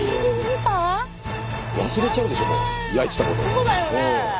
そうだよね。